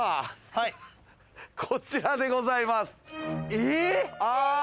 こちらでございます。